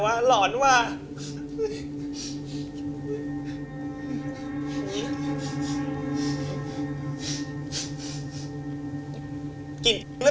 บอกแล้วไงให้กลับ